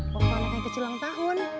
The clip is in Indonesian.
pokok anaknya kecil langit tahun